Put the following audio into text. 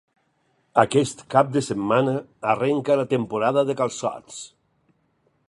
Aquest cap de setmana, arrenca la temporada de calçots.